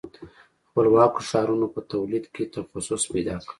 خپلواکو ښارونو په تولید کې تخصص پیدا کړ.